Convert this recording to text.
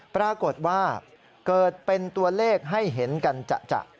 ปรากฏว่าเกิดเป็นตัวเลขให้เห็นกันจะ